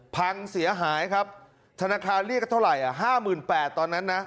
พังเสียหายครับธนาคารเรียกก็เท่าไหร่๕๘๐๐ตอนนั้นนะ